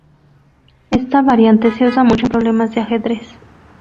Esta variante se usa mucho en problemas de ajedrez.